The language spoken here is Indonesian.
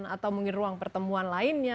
atau mungkin ruang pertemuan lainnya